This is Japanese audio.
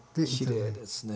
きれいですね。